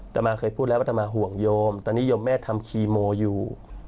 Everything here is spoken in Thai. ตามาเคยพูดแล้วว่าตามมาห่วงโยมตอนนี้โยมแม่ทำคีโมอยู่